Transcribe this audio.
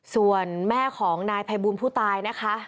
ส่วนแม่ของนายพยกรุงผู้ตายนะคะ